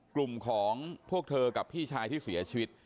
กลุ่มของพวกเธอกับพี่ชายที่เสียชีวิต